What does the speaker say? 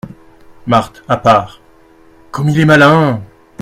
Marthe à part. — Comme il est malin !